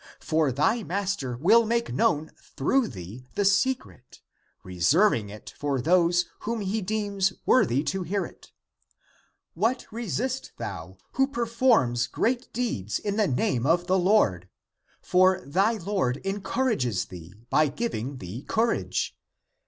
For thv Master will make known through thee the ACTS OF THOMAS 291 secret, reserving it for those, whom he deems worthy to hear it. What restest thou, who per forms great deeds in the name of the Lord? For thy Lord encourages thee, by giving thee courage.